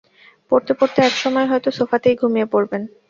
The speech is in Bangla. পড়তে-পড়তে একসময় হয়তো সোফাতেই ঘুমিয়ে পড়বেন!